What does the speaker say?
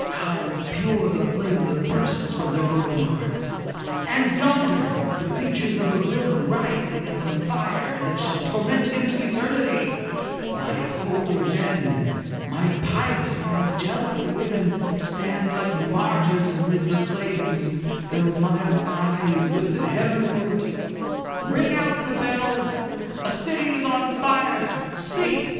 How pure the flame that bursts from their glowing hearts! And yonder the features of a villain writhing in the fire that shall torment him to eternity. My holy men, my pious and angelic women, stand like martyrs amid the flames, their mild eyes lifted heavenward. Ring out the bells! A city is on fire. See!